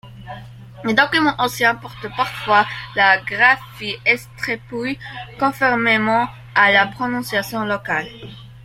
Les documents anciens portent parfois la graphie Estrépouy, conformément à la prononciation locale.